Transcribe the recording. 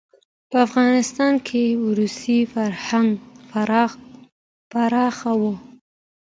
په افغانستان کې روسي فرهنګ پراخه و.